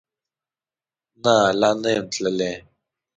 نه، لا نه یم تللی